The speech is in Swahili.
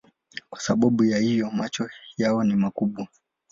Kwa sababu ya hiyo macho yao ni makubwa.